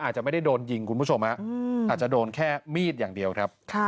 อาจจะไม่ได้โดนยิงคุณผู้ชมอาจจะโดนแค่มีดอย่างเดียวครับ